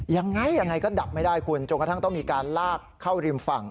ยังไงยังไงก็ดับไม่ได้คุณจนกระทั่งต้องมีการลากเข้าริมฝั่ง